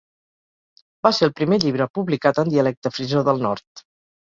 Va ser el primer llibre publicat en dialecte frisó del nord.